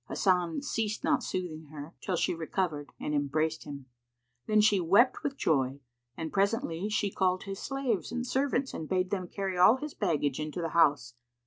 Hasan ceased not soothing her, till she recovered and embraced him; then she wept with joy, and presently she called his slaves and servants and bade them carry all his baggage into the house.